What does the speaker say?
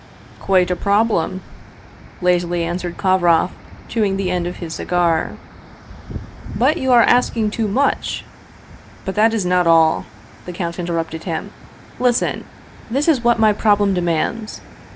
"" Quite a problem," lazily answered Kovroff, chewing the end of his cigar. " But you are asking too much." " But that is not all," the count interrupted him ;" lis ten! This is what my problem demands.